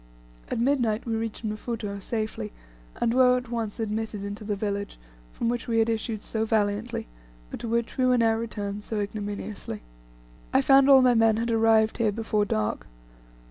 At midnight we reached Mfuto safely, and were at once admitted into the village, from which we had issued so valiantly, but to which we were now returned so ignominiously. I found all my men had arrived here before dark.